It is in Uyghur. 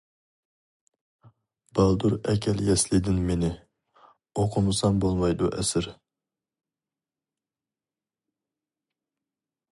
بالدۇر ئەكەل يەسلىدىن مېنى، ئوقۇمىسام بولمايدۇ ئەسىر.